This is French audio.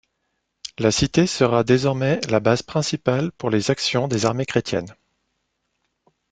La cité sera désormais la base principale pour les actions des armées chrétiennes.